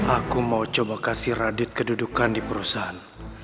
aku mau coba kasih radit kedudukan di perusahaan